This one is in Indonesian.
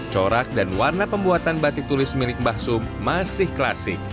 corak dan warna pembuatan batik tulis milik mbah sum masih klasik